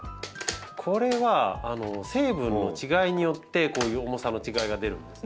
これは成分の違いによってこういう重さの違いが出るんですね。